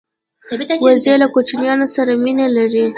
وزې له کوچنیانو سره مینه لري